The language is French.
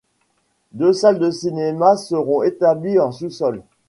Deux salles de cinéma seront établies en sous-sol.